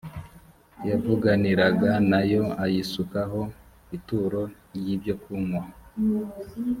yavuganiraga na yo ayisukaho ituro ry ibyokunywa